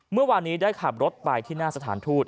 เมื่อวานนี้ได้ขับรถไปที่หน้าสถานทูต